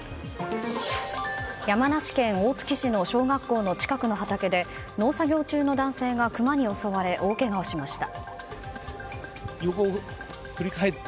山梨県大月市の小学校の近くの畑で農作業中の男性がクマに襲われ大けがをしました。